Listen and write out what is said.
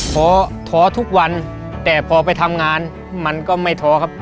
ท้อท้อทุกวันแต่พอไปทำงานมันก็ไม่ท้อครับ